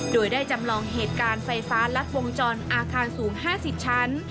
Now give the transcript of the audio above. โดยได้จำลองเหตุการณ์ไฟฟ้ารัดวงจรอาคารสูง๕๐ชั้น